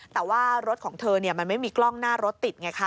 แต่ว่ารถของเธอมันไม่มีกล้องหน้ารถติดไงคะ